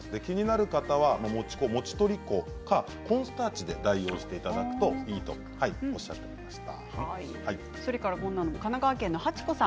気になる方は餅粉、餅取り粉かコーンスターチで代用していただくといいとおっしゃっていました。